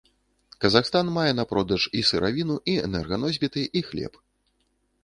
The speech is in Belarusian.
Казахстан мае на продаж і сыравіну, і энерганосьбіты, і хлеб.